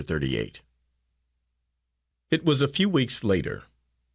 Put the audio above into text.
Thirty eight It was a few weeks later.